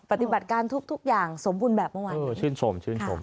ปฏิบัติการทุกอย่างสมบูรณ์แบบเมื่อวานเออชื่นชมชื่นชม